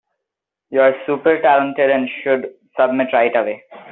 You are super talented and should submit right away.